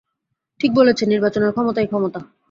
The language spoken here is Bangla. ঠিক বলেছেন– নির্বাচনের ক্ষমতাই ক্ষমতা।